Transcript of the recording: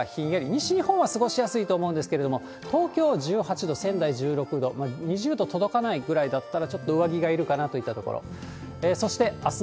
西日本は過ごしやすいと思うんですけれども、東京１８度、仙台１６度、２０度届かないぐらいだったら、ちょっと上着がいるかなといったところです。